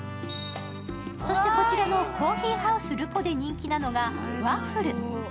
そして、こちらのコーヒーハウスるぽで人気なのがワッフル。